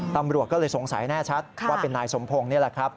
ตำรวจก็เลยสงสัยแน่ชัดว่าเป็นนายสมพงศ์นี่แหละครับ